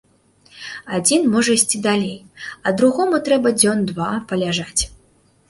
Адзін можа ісці далей, а другому трэба дзён два паляжаць.